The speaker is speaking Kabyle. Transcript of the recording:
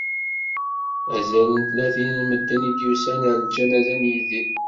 Azal n tlatin n medden i d-yusan ar lǧanaza n Yidir.